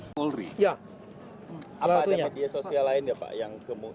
pak ulri apa ada media sosial lain yang